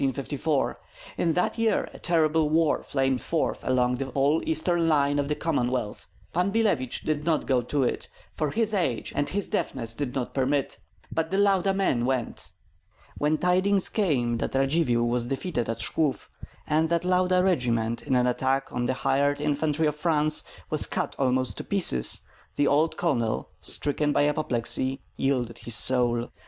In that year a terrible war flamed forth along the whole eastern line of the Commonwealth; Pan Billevich did not go to it, for his age and his deafness did not permit; but the Lauda men went. When tidings came that Radzivill was defeated at Shklov, and the Lauda regiment in an attack on the hired infantry of France was cut almost to pieces, the old colonel, stricken by apoplexy, yielded his soul.